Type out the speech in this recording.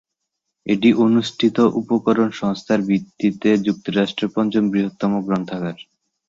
এটি অনুষ্ঠিত উপকরণ সংখ্যার ভিত্তিতে যুক্তরাষ্ট্রের পঞ্চম বৃহত্তম গ্রন্থাগার।